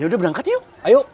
yaudah berangkat yuk ayo